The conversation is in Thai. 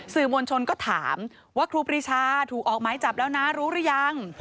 สื่อมวลชนก็ถามว่าครูปรีชาถูกออกไม้จับแล้วนะรู้หรือยัง